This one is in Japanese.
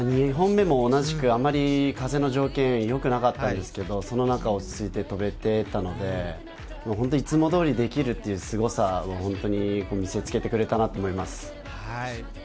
２本目も同じく、あまり風の条件はよくなかったんですけれども、その中で落ち着いて飛べていたので、いつもどおりできるというすごさを本当に見せつけてくれたなと思います。